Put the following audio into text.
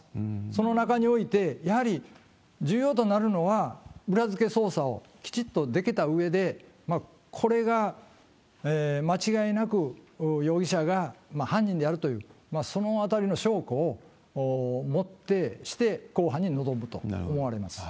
その中において、やはり重要となるのは、裏付け捜査をきちっとできたうえで、これが間違いなく容疑者が犯人であるという、そのあたりの証拠を持ってして公判に臨むと思われます。